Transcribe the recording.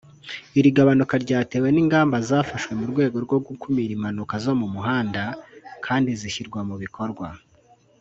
Iri gabanuka ryatewe n’ingamba zafashwe mu rwego rwo gukumira impanuka zo mu muhanda; kandi zishyirwa mu bikorwa